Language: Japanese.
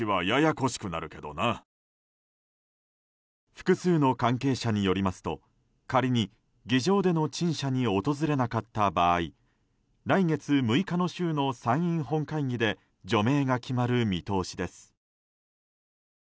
複数の関係者によりますと仮に議場での陳謝に訪れなかった場合来月６日の週の参院本会議で除名が決まる見通しです。